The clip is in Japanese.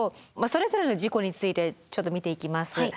それぞれの事故についてちょっと見ていきます。